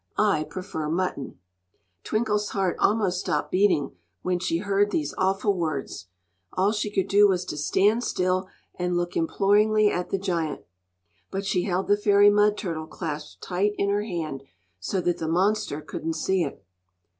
I prefer mutton." Twinkle's heart almost stopped beating when she heard these awful words. All she could do was to stand still and look imploringly at the giant. But she held the fairy mud turtle clasped tight in her hand, so that the monster couldn't see it.